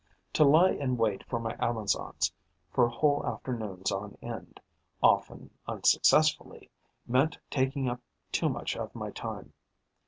To lie in wait for my Amazons, for whole afternoons on end, often unsuccessfully, meant taking up too much of my time.